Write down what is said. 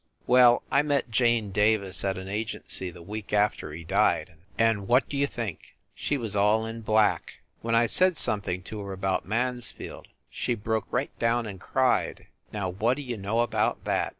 Well, I met Jane Davis at an agency the week after he died, and what d you think ! She was all in black ! When I said something to her about Mans field she broke right down and cried. Now, what d you know about that!